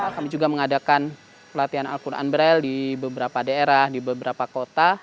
kami juga mengadakan pelatihan al quran braille di beberapa daerah di beberapa kota